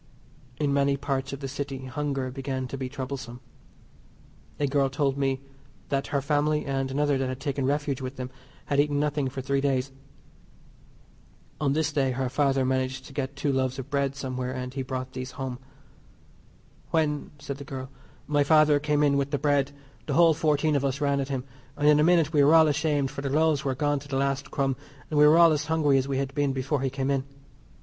In many parts of the City hunger began to be troublesome. A girl told me that her family, and another that had taken refuge with them, had eaten nothing for three days. On this day her father managed to get two loaves of bread somewhere, and he brought these home. "When," said the girl, "my father came in with the bread the whole fourteen of us ran at him, and in a minute we were all ashamed for the loaves were gone to the last crumb, and we were all as hungry as we had been before he came in.